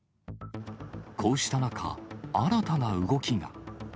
こうした中、新たな動きが。